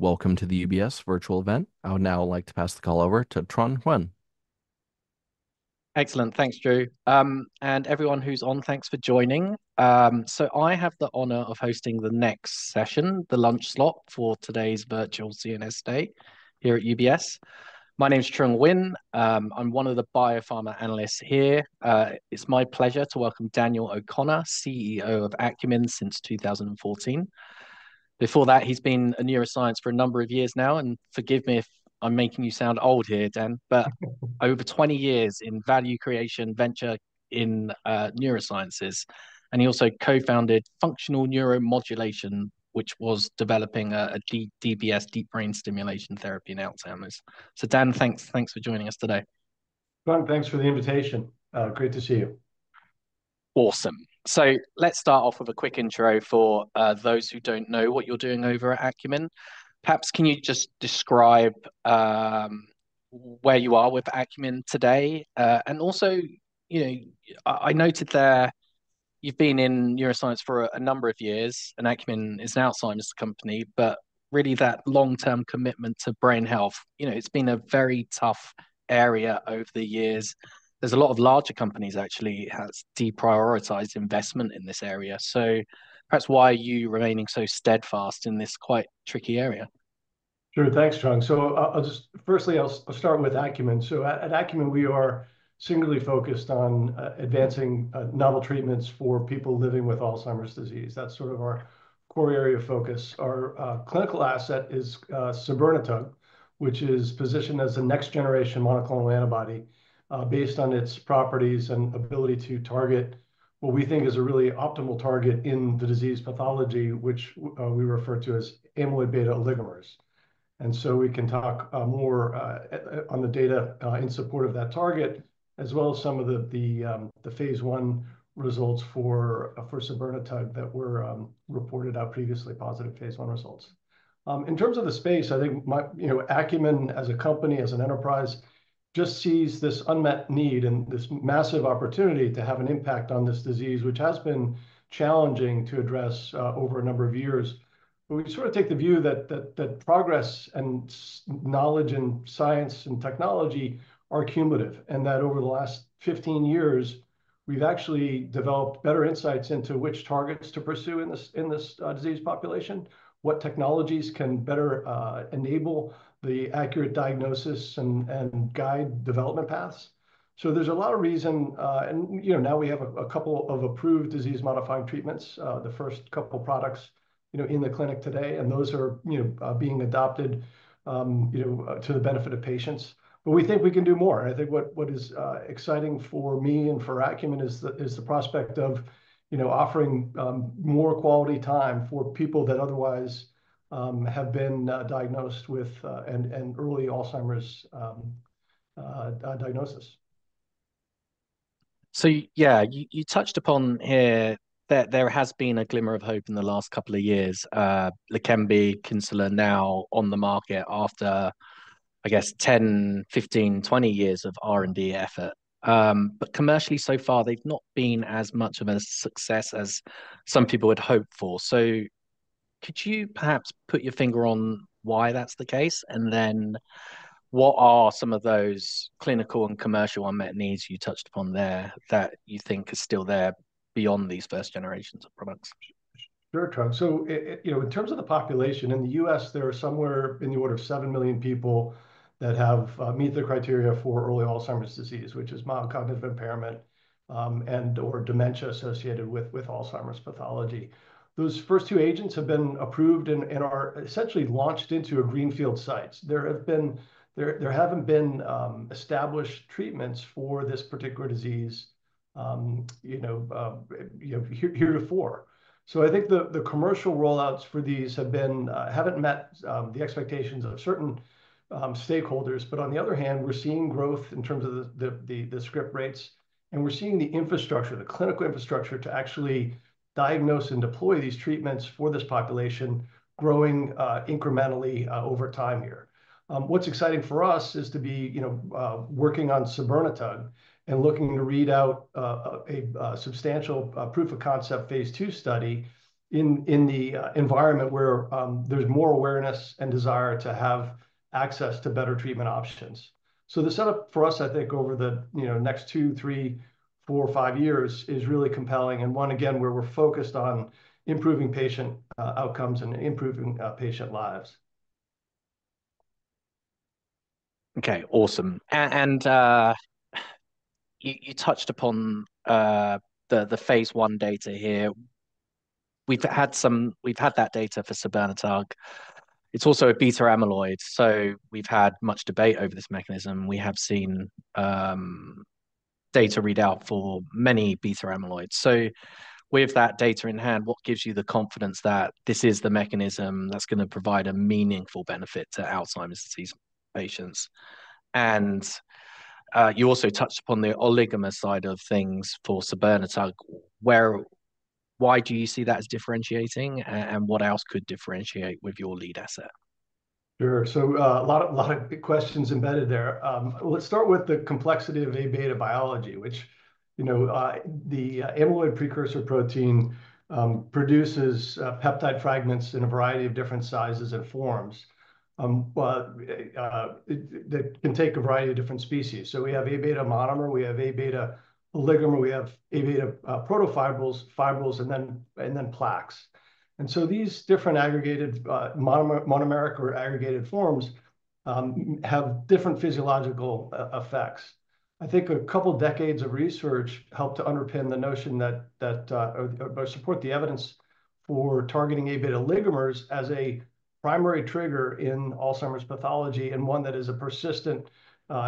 Welcome to the UBS virtual event. I would now like to pass the call over to Tran Nguyen. Excellent. Thanks, Drew. And everyone who's on, thanks for joining. I have the honor of hosting the next session, the lunch slot for today's virtual CNS Day here at UBS. My name is Tran Nguyen. I'm one of the biopharma analysts here. It's my pleasure to welcome Daniel O'Connell, CEO of Acumen since 2014. Before that, he's been a neuroscientist for a number of years now, and forgive me if I'm making you sound old here, Dan, but over 20 years in value creation, venture in, neurosciences. He also co-founded Functional Neuromodulation, which was developing a DBS, deep brain stimulation therapy in Alzheimer's. Dan, thanks, thanks for joining us today. Thanks for the invitation. Great to see you. Awesome. Let's start off with a quick intro for those who don't know what you're doing over at Acumen. Perhaps can you just describe where you are with Acumen today? Also, you know, I noted there you've been in neuroscience for a number of years, and Acumen is now a science company, but really that long-term commitment to brain health, you know, it's been a very tough area over the years. There's a lot of larger companies actually that have deprioritized investment in this area. Perhaps why are you remaining so steadfast in this quite tricky area? Thanks, Tran. I'll just, firstly, I'll start with Acumen. At Acumen, we are singly focused on advancing novel treatments for people living with Alzheimer's disease. That's sort of our core area of focus. Our clinical asset is sabirnetug, which is positioned as a next-generation monoclonal antibody based on its properties and ability to target what we think is a really optimal target in the disease pathology, which we refer to as amyloid beta oligomers. We can talk more on the data in support of that target, as well as some of the phase I results for sabirnetug that were reported out previously, positive phase I results. In terms of the space, I think my, you know, Acumen as a company, as an enterprise, just sees this unmet need and this massive opportunity to have an impact on this disease, which has been challenging to address over a number of years. We sort of take the view that progress and knowledge and science and technology are cumulative, and that over the last 15 years, we've actually developed better insights into which targets to pursue in this disease population, what technologies can better enable the accurate diagnosis and guide development paths. There is a lot of reason, and you know, now we have a couple of approved disease-modifying treatments, the first couple of products, you know, in the clinic today, and those are, you know, being adopted, you know, to the benefit of patients. We think we can do more. I think what is exciting for me and for Acumen is the prospect of, you know, offering more quality time for people that otherwise have been diagnosed with an early Alzheimer's diagnosis. Yeah, you touched upon here that there has been a glimmer of hope in the last couple of years. Leqembi, Kisunla now on the market after, I guess, 10, 15, 20 years of R&D effort. But commercially so far, they've not been as much of a success as some people would hope for. Could you perhaps put your finger on why that's the case? What are some of those clinical and commercial unmet needs you touched upon there that you think are still there beyond these first generations of products? Sure, Tran. You know, in terms of the population in the U.S., there are somewhere in the order of 7 million people that meet the criteria for early Alzheimer's disease, which is mild cognitive impairment and/or dementia associated with Alzheimer's pathology. Those first two agents have been approved and are essentially launched into a greenfield site. There have not been established treatments for this particular disease here before. I think the commercial rollouts for these have not met the expectations of certain stakeholders. On the other hand, we're seeing growth in terms of the script rates, and we're seeing the infrastructure, the clinical infrastructure to actually diagnose and deploy these treatments for this population growing incrementally over time here. What's exciting for us is to be, you know, working on sabirnetug and looking to read out a substantial proof of concept phase II study in the environment where there's more awareness and desire to have access to better treatment options. The setup for us, I think over the, you know, next two, three, four, five years is really compelling and one, again, where we're focused on improving patient outcomes and improving patient lives. Okay, awesome. You touched upon the phase I data here. We've had some, we've had that data for sabirnetug. It's also a beta amyloid. We've had much debate over this mechanism. We have seen data readout for many beta amyloids. With that data in hand, what gives you the confidence that this is the mechanism that's going to provide a meaningful benefit to Alzheimer's disease patients? You also touched upon the oligomer side of things for sabirnetug. Why do you see that as differentiating and what else could differentiate with your lead asset? Sure. A lot of big questions embedded there. Let's start with the complexity of Aβ biology, which, you know, the amyloid precursor protein produces peptide fragments in a variety of different sizes and forms that can take a variety of different species. We have Aβ monomer, we have Aβ oligomer, we have Aβ protofibrils, fibrils, and then plaques. These different aggregated monomeric or aggregated forms have different physiological effects. I think a couple of decades of research helped to underpin the notion that, or support the evidence for targeting Aβ oligomers as a primary trigger in Alzheimer's pathology and one that is a persistent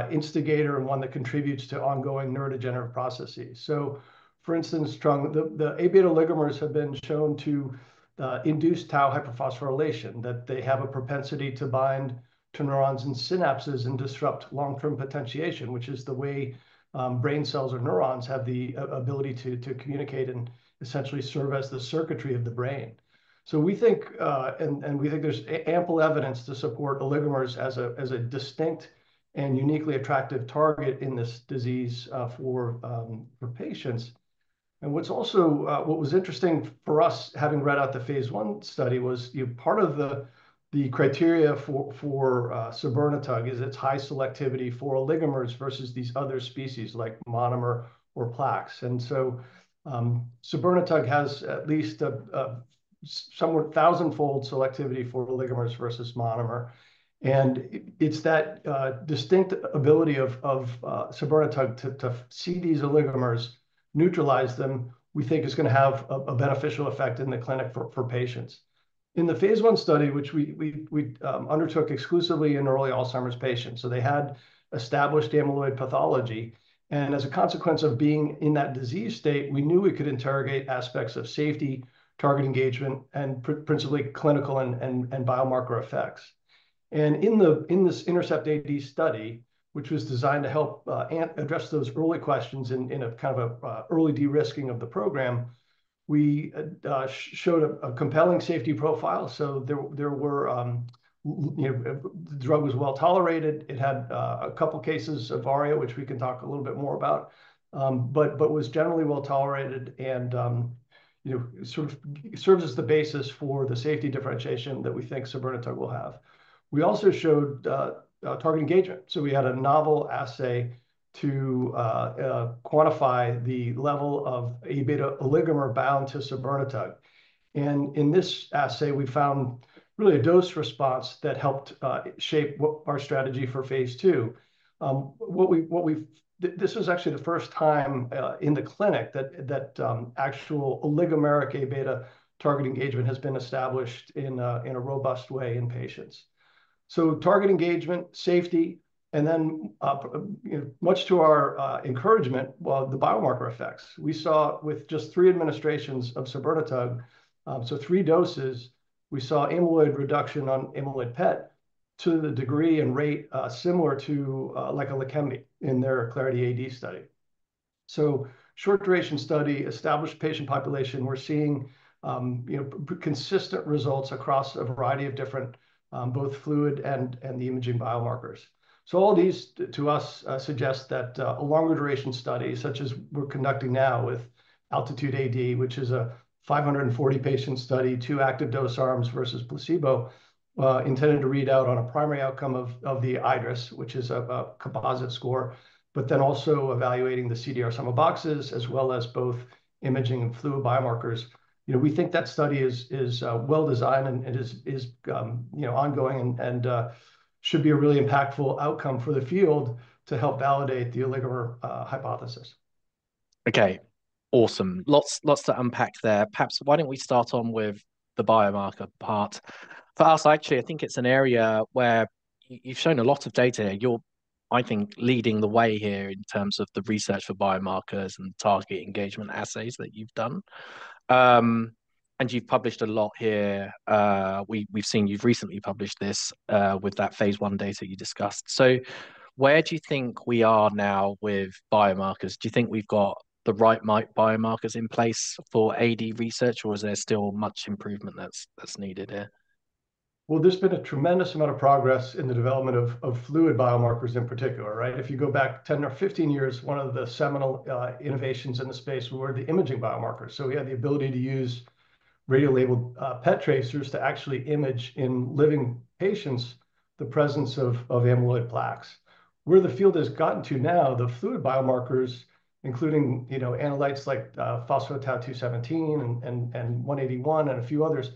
instigator and one that contributes to ongoing neurodegenerative processes. For instance, Tran, the Aβ oligomers have been shown to induce tau hyperphosphorylation, that they have a propensity to bind to neurons and synapses and disrupt long-term potentiation, which is the way brain cells or neurons have the ability to communicate and essentially serve as the circuitry of the brain. We think, and we think there's ample evidence to support oligomers as a distinct and uniquely attractive target in this disease for patients. What's also interesting for us having read out the phase I study was, you know, part of the criteria for sabirnetug is its high selectivity for oligomers versus these other species like monomer or plaques. Sabirnetug has at least a somewhat thousandfold selectivity for oligomers versus monomer. It is that distinct ability of sabirnetug to see these oligomers, neutralize them, we think is going to have a beneficial effect in the clinic for patients. In the phase I study, which we undertook exclusively in early Alzheimer's patients, they had established amyloid pathology. As a consequence of being in that disease state, we knew we could interrogate aspects of safety, target engagement, and principally clinical and biomarker effects. In this INTERCEPT-AD study, which was designed to help address those early questions in a kind of an early de-risking of the program, we showed a compelling safety profile. The drug was well tolerated. It had a couple of cases of ARIA, which we can talk a little bit more about, but was generally well tolerated and, you know, sort of serves as the basis for the safety differentiation that we think sabirnetug will have. We also showed target engagement. So we had a novel assay to quantify the level of Aβ oligomer bound to sabirnetug. And in this assay, we found really a dose response that helped shape our strategy for phase II. This was actually the first time in the clinic that actual oligomeric Aβ target engagement has been established in a robust way in patients. So target engagement, safety, and then, you know, much to our encouragement, well, the biomarker effects. We saw with just three administrations of sabirnetug, so three doses, we saw amyloid reduction on amyloid PET to the degree and rate similar to like a Leqembi in their CLARITY AD study. Short duration study, established patient population, we're seeing, you know, consistent results across a variety of different both fluid and the imaging biomarkers. All these to us suggest that a longer duration study such as we're conducting now with ALTITUDE-AD, which is a 540-patient study, two active dose arms versus placebo, intended to read out on a primary outcome of the iADRS, which is a composite score, but then also evaluating the CDR Sum of Boxes as well as both imaging and fluid biomarkers. You know, we think that study is well designed and is, you know, ongoing and should be a really impactful outcome for the field to help validate the oligomer hypothesis. Okay, awesome. Lots to unpack there. Perhaps why don't we start on with the biomarker part? For us, actually, I think it's an area where you've shown a lot of data here. You're, I think, leading the way here in terms of the research for biomarkers and target engagement assays that you've done. And you've published a lot here. We've seen you've recently published this with that phase I data you discussed. So where do you think we are now with biomarkers? Do you think we've got the right biomarkers in place for AD research, or is there still much improvement that's needed here? There has been a tremendous amount of progress in the development of fluid biomarkers in particular, right? If you go back 10 or 15 years, one of the seminal innovations in the space were the imaging biomarkers. We had the ability to use radiolabeled PET tracers to actually image in living patients the presence of amyloid plaques. Where the field has gotten to now, the fluid biomarkers, including, you know, analytes like pTau217 and 181 and a few others,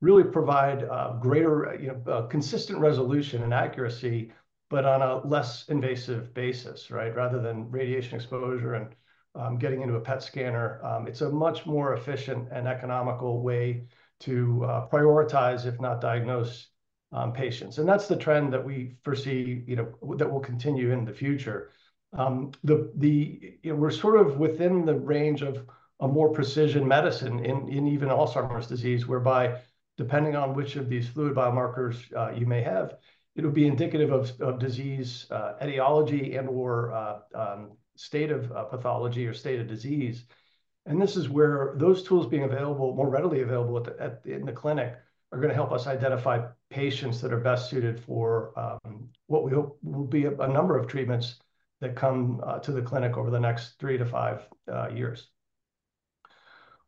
really provide greater, you know, consistent resolution and accuracy, but on a less invasive basis, right? Rather than radiation exposure and getting into a PET scanner, it is a much more efficient and economical way to prioritize, if not diagnose, patients. That is the trend that we foresee, you know, that will continue in the future. We're sort of within the range of a more precision medicine in even Alzheimer's disease, whereby depending on which of these fluid biomarkers you may have, it'll be indicative of disease etiology and/or state of pathology or state of disease. This is where those tools being available, more readily available in the clinic, are going to help us identify patients that are best suited for what we hope will be a number of treatments that come to the clinic over the next three to five years.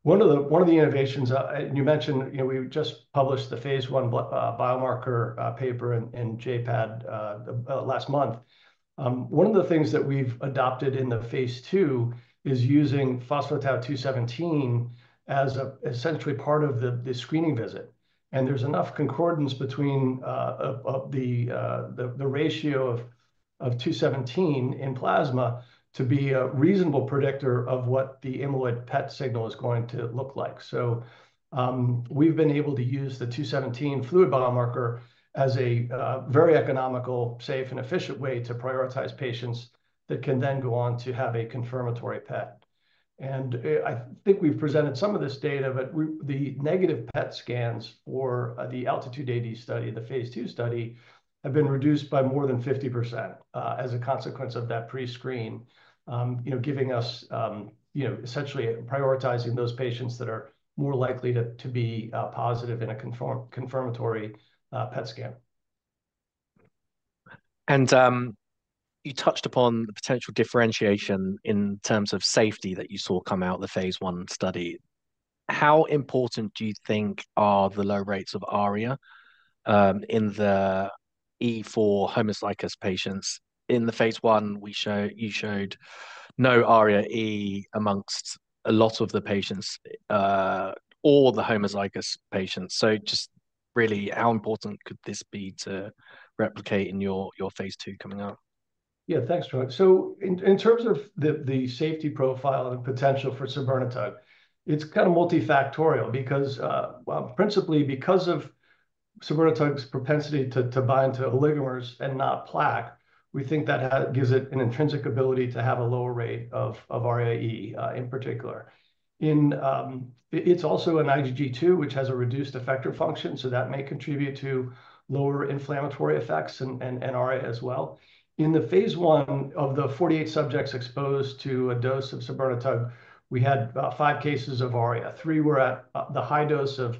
One of the innovations, and you mentioned, you know, we just published the phase I biomarker paper in JPAD last month. One of the things that we've adopted in the phase II is using pTau217 as essentially part of the screening visit. There is enough concordance between the ratio of 217 in plasma to be a reasonable predictor of what the amyloid PET signal is going to look like. We have been able to use the 217 fluid biomarker as a very economical, safe, and efficient way to prioritize patients that can then go on to have a confirmatory PET. I think we have presented some of this data, but the negative PET scans for the ALTITUDE-AD study, the phase II study, have been reduced by more than 50% as a consequence of that pre-screen, you know, giving us, you know, essentially prioritizing those patients that are more likely to be positive in a confirmatory PET scan. You touched upon the potential differentiation in terms of safety that you saw come out of the phase I study. How important do you think are the low rates of ARIA in the E4 homozygous patients? In the phase I, you showed no ARIA-E amongst a lot of the patients or the homozygous patients. Just really, how important could this be to replicate in your phase II coming up? Yeah, thanks, Tran. In terms of the safety profile and the potential for sabirnetug, it's kind of multifactorial because principally because of sabirnetug's propensity to bind to oligomers and not plaque, we think that gives it an intrinsic ability to have a lower rate of ARIA-E in particular. It's also an IgG2, which has a reduced effector function, so that may contribute to lower inflammatory effects and ARIA as well. In the phase I of the 48 subjects exposed to a dose of sabirnetug, we had five cases of ARIA. Three were at the high dose of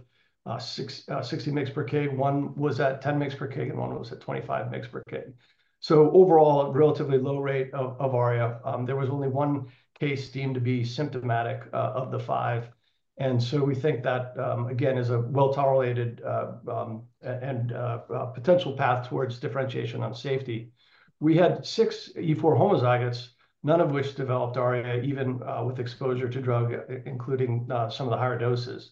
60 mg/kg, one was at 10 mg/kg, and one was at 25 mg/kg. Overall, a relatively low rate of ARIA. There was only one case deemed to be symptomatic of the five. We think that, again, is a well-tolerated and potential path towards differentiation on safety. We had six E4 homozygotes, none of which developed ARIA even with exposure to drug, including some of the higher doses.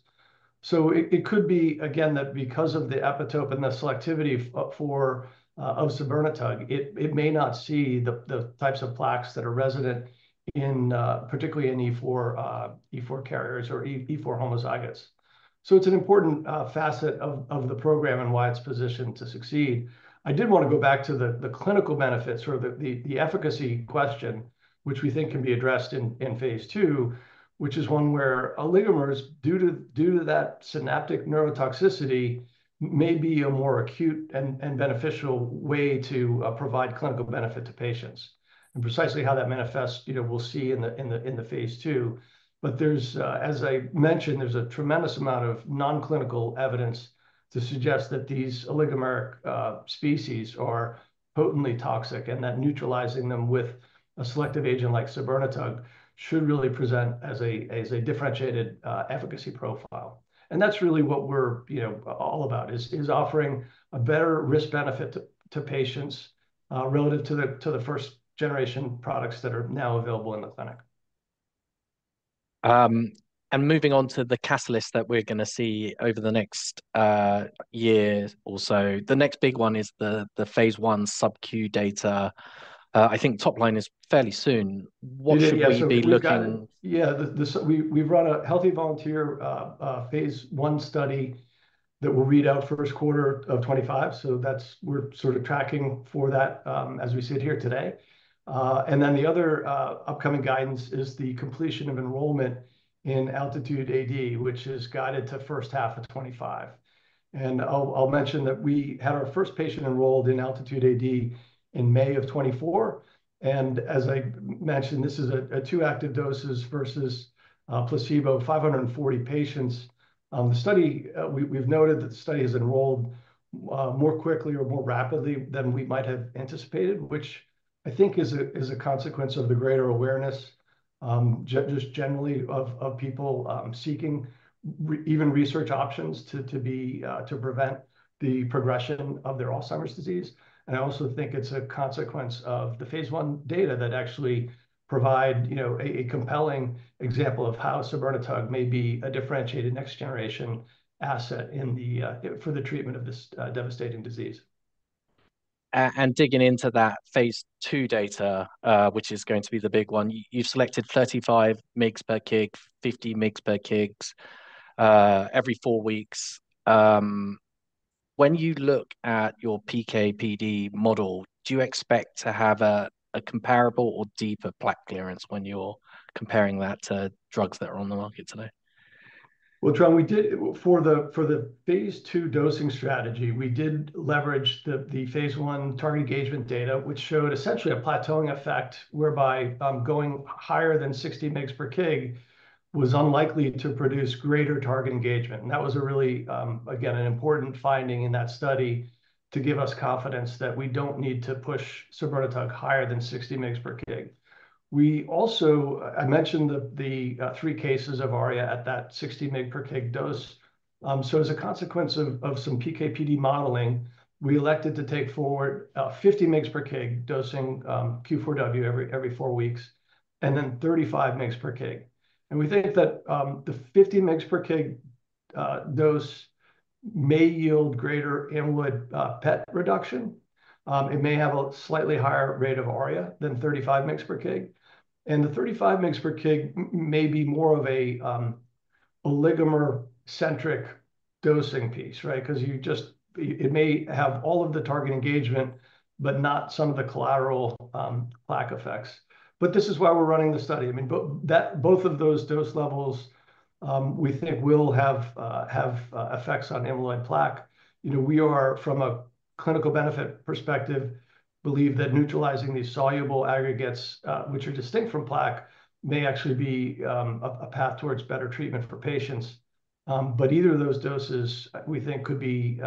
It could be, again, that because of the epitope and the selectivity for sabirnetug, it may not see the types of plaques that are resident in particularly in E4 carriers or E4 homozygotes. It is an important facet of the program and why it is positioned to succeed. I did want to go back to the clinical benefits, or the efficacy question, which we think can be addressed in phase II, which is one where oligomers, due to that synaptic neurotoxicity, may be a more acute and beneficial way to provide clinical benefit to patients. And precisely how that manifests, you know, we will see in the phase II. There is, as I mentioned, a tremendous amount of non-clinical evidence to suggest that these oligomeric species are potently toxic and that neutralizing them with a selective agent like sabirnetug should really present as a differentiated efficacy profile. That is really what we're, you know, all about, is offering a better risk-benefit to patients relative to the first-generation products that are now available in the clinic. Moving on to the catalyst that we're going to see over the next year or so, the next big one is the phase I subQ data. I think top line is fairly soon. What should we be looking? Yeah, we've run a healthy volunteer phase I study that will read out first quarter of 2025. That is what we're sort of tracking for as we sit here today. The other upcoming guidance is the completion of enrollment in ALTITUDE-AD, which is guided to first half of 2025. I'll mention that we had our first patient enrolled in ALTITUDE-AD in May of 2024. As I mentioned, this is a two active doses versus placebo, 540 patients. The study, we've noted that the study has enrolled more quickly or more rapidly than we might have anticipated, which I think is a consequence of the greater awareness just generally of people seeking even research options to prevent the progression of their Alzheimer's disease. I also think it's a consequence of the phase I data that actually provide, you know, a compelling example of how sabirnetug may be a differentiated next-generation asset for the treatment of this devastating disease. Digging into that phase II data, which is going to be the big one, you've selected 35 mg/kg, 50 mg/kg every four weeks. When you look at your PK/PD model, do you expect to have a comparable or deeper plaque clearance when you're comparing that to drugs that are on the market today? Tran, we did for the phase II dosing strategy, we did leverage the phase I target engagement data, which showed essentially a plateauing effect whereby going higher than 60 mg/kg was unlikely to produce greater target engagement. That was a really, again, an important finding in that study to give us confidence that we don't need to push sabirnetug higher than 60 mg/kg. I mentioned the three cases of ARIA at that 60 mg/kg dose. As a consequence of some PK/PD modeling, we elected to take forward 50 mg/kg dosing Q4W every four weeks and then 35 mg/kg. We think that the 50 mg/kg dose may yield greater amyloid PET reduction. It may have a slightly higher rate of ARIA than 35 mg/kg. The 35 mg/kg may be more of an oligomer-centric dosing piece, right? Because you just, it may have all of the target engagement, but not some of the collateral plaque effects. This is why we're running the study. I mean, both of those dose levels, we think will have effects on amyloid plaque. You know, we are from a clinical benefit perspective, believe that neutralizing these soluble aggregates, which are distinct from plaque, may actually be a path towards better treatment for patients. Either of those doses, we think could be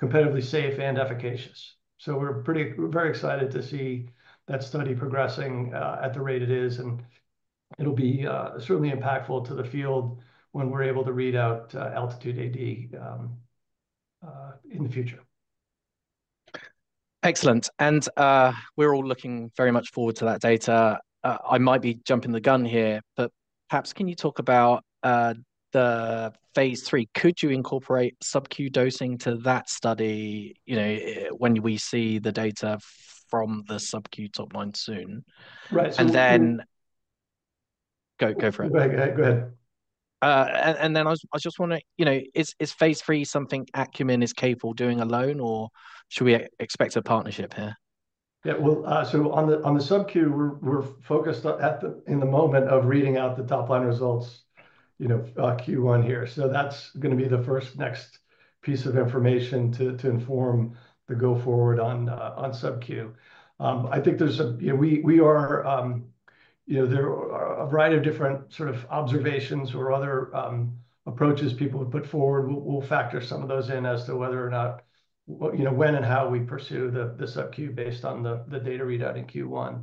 competitively safe and efficacious. We are very excited to see that study progressing at the rate it is. It will be certainly impactful to the field when we're able to read out ALTITUDE-AD in the future. Excellent. We are all looking very much forward to that data. I might be jumping the gun here, but perhaps can you talk about the phase III? Could you incorporate subQ dosing to that study, you know, when we see the data from the subQ top line soon? Right. And then. Go for it. Go ahead. Go ahead. I just want to, you know, is phase III something Acumen is capable doing alone, or should we expect a partnership here? Yeah, well, on the subQ, we're focused in the moment of reading out the top line results, you know, Q1 here. That's going to be the first next piece of information to inform the go-forward on subQ. I think there's a, you know, we are, you know, there are a variety of different sort of observations or other approaches people have put forward. We'll factor some of those in as to whether or not, you know, when and how we pursue the subQ based on the data readout in Q1.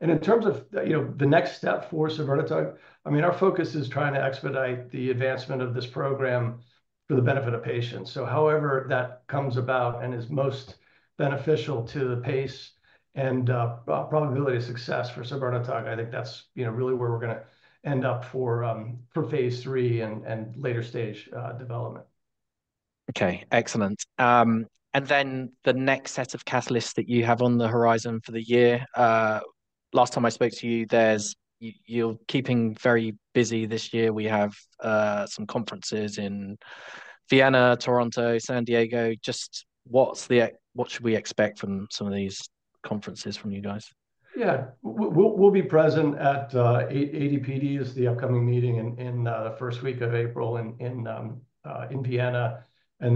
In terms of, you know, the next step for sabirnetug, I mean, our focus is trying to expedite the advancement of this program for the benefit of patients. However that comes about and is most beneficial to the pace and probability of success for sabirnetug, I think that's, you know, really where we're going to end up for phase III and later stage development. Okay, excellent. The next set of catalysts that you have on the horizon for the year. Last time I spoke to you, you're keeping very busy this year. We have some conferences in Vienna, Toronto, San Diego. Just what should we expect from some of these conferences from you guys? Yeah, we'll be present at AD/PD, is the upcoming meeting in the first week of April in Vienna. The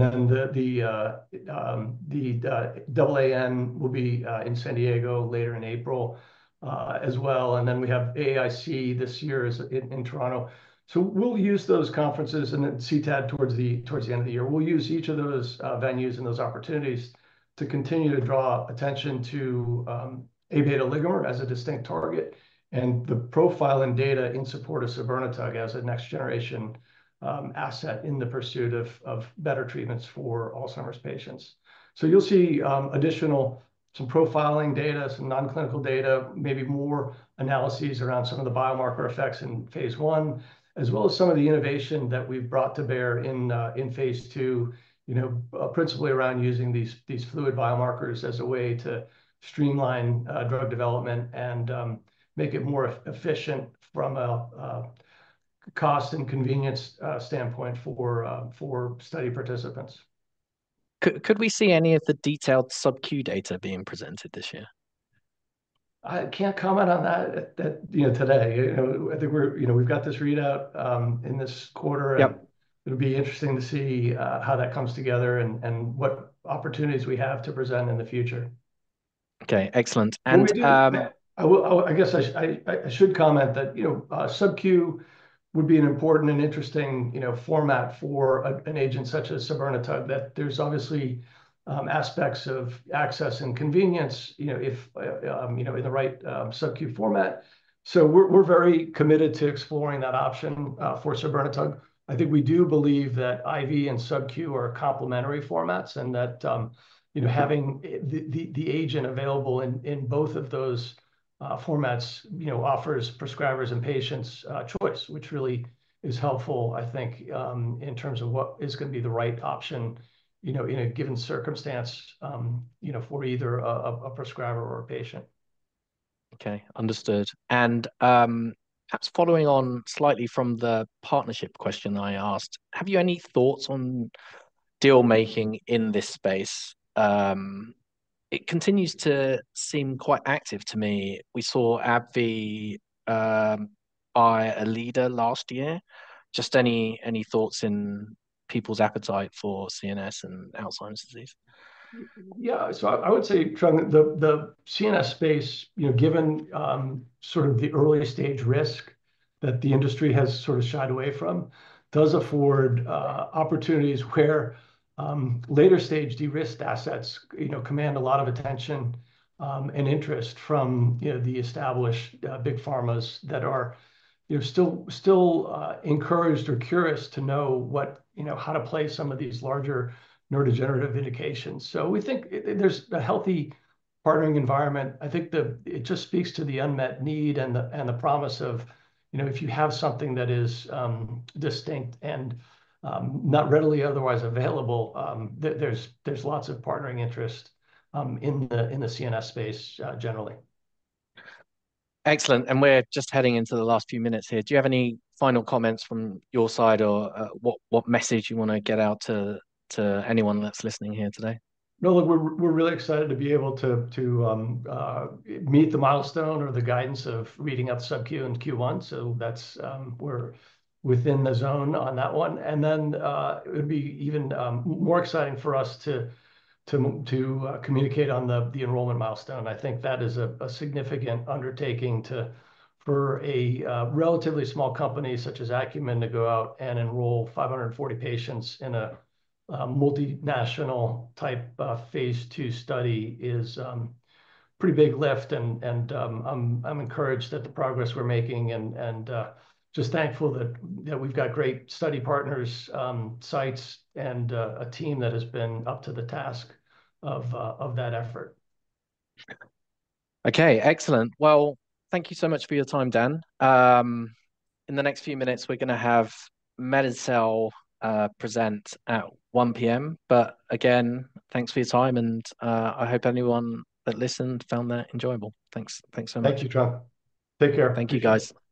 AAN will be in San Diego later in April as well. We have AAIC this year in Toronto. We'll use those conferences and then CTAD towards the end of the year. We'll use each of those venues and those opportunities to continue to draw attention to Aβ oligomer as a distinct target and the profiling data in support of sabirnetug as a next-generation asset in the pursuit of better treatments for Alzheimer's patients. You'll see additional some profiling data, some non-clinical data, maybe more analyses around some of the biomarker effects in phase I, as well as some of the innovation that we've brought to bear in phase II, you know, principally around using these fluid biomarkers as a way to streamline drug development and make it more efficient from a cost and convenience standpoint for study participants. Could we see any of the detailed subQ data being presented this year? I can't comment on that, you know, today. I think we're, you know, we've got this readout in this quarter. It'll be interesting to see how that comes together and what opportunities we have to present in the future. Okay, excellent. I guess I should comment that, you know, subQ would be an important and interesting, you know, format for an agent such as sabirnetug, that there's obviously aspects of access and convenience, you know, if, you know, in the right subQ format. We are very committed to exploring that option for sabirnetug. I think we do believe that IV and subQ are complementary formats and that, you know, having the agent available in both of those formats, you know, offers prescribers and patients choice, which really is helpful, I think, in terms of what is going to be the right option, you know, in a given circumstance, you know, for either a prescriber or a patient. Okay, understood. Perhaps following on slightly from the partnership question that I asked, have you any thoughts on dealmaking in this space? It continues to seem quite active to me. We saw AbbVie buy Aliada last year. Just any thoughts in people's appetite for CNS and Alzheimer's disease? Yeah, so I would say, Tran, the CNS space, you know, given sort of the early stage risk that the industry has sort of shied away from, does afford opportunities where later stage de-risked assets, you know, command a lot of attention and interest from, you know, the established big pharmas that are, you know, still encouraged or curious to know what, you know, how to play some of these larger neurodegenerative indications. We think there's a healthy partnering environment. I think it just speaks to the unmet need and the promise of, you know, if you have something that is distinct and not readily otherwise available, there's lots of partnering interest in the CNS space generally. Excellent. We are just heading into the last few minutes here. Do you have any final comments from your side or what message you want to get out to anyone that is listening here today? No, look, we're really excited to be able to meet the milestone or the guidance of reading out the subQ in Q1. That's we're within the zone on that one. It would be even more exciting for us to communicate on the enrollment milestone. I think that is a significant undertaking for a relatively small company such as Acumen to go out and enroll 540 patients in a multinational type phase II study is a pretty big lift. I'm encouraged that the progress we're making and just thankful that we've got great study partners, sites, and a team that has been up to the task of that effort. Okay, excellent. Thank you so much for your time, Dan. In the next few minutes, we're going to have MedinCell present at 1:00 P.M. Again, thanks for your time. I hope anyone that listened found that enjoyable. Thanks so much. Thank you, Tran. Take care. Thank you, guys. Bye.